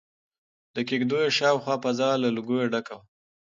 د کيږديو شاوخوا فضا له لوګي ډکه وه.